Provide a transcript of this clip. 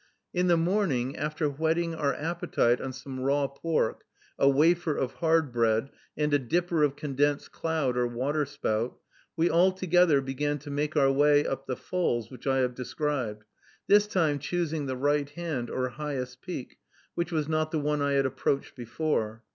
In the morning, after whetting our appetite on some raw pork, a wafer of hard bread, and a dipper of condensed cloud or waterspout, we all together began to make our way up the falls, which I have described; this time choosing the right hand, or highest peak, which was not the one I had approached before.